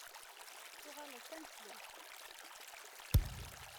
Tuɣaleḍ d tameslubt?